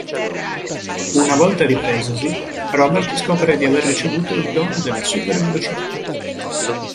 Una volta ripresosi Robert scopre di aver ricevuto il dono della super velocità.